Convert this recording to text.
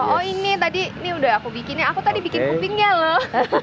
oh ini tadi ini udah aku bikinnya aku tadi bikin pupingnya loh